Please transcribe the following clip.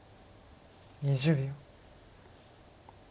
２０秒。